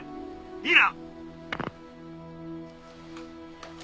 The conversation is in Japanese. いいな？